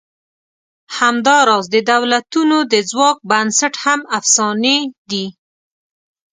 همدا راز د دولتونو د ځواک بنسټ هم افسانې دي.